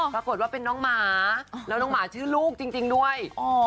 ปรากฏว่าเป็นน้องหมาแล้วน้องหมาชื่อลูกจริงด้วย